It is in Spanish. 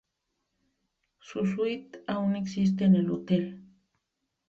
Su suite aún existe en el hotel.